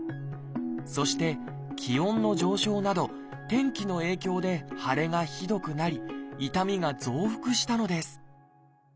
そして気温の上昇など天気の影響で腫れがひどくなり痛みが増幅したのです。